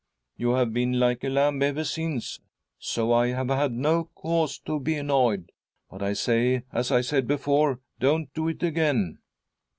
" You have been like a lamb ever since, so I have had no cause to be annoyed ; but I say, as I said before, don't do it again."